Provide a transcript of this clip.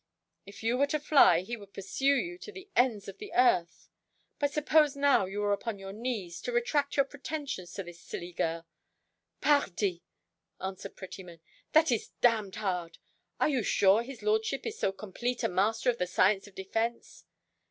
If you were to fly, he would pursue you to the ends of the earth. But suppose now you were upon your knees, to retract your pretensions to this silly girl." "Pardi" answered Prettyman, "that is damned hard! are you sure his lordship is so compleat a master of the science of defence?"